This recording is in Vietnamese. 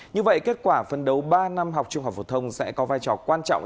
như vậy kết quả phân đấu ba năm học trung học phổ thông sẽ có vai trò quan trọng